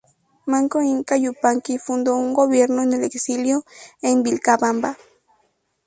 Manco Inca Yupanqui fundó un gobierno en el exilio, en Vilcabamba.